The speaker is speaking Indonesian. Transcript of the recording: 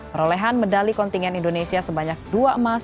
perolehan medali kontingen indonesia sebanyak dua emas